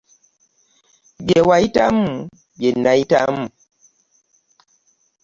Byewayitamu byenayitamu.